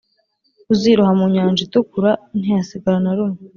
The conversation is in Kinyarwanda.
uziroha mu Nyanja Itukura ntihasigara na rumwe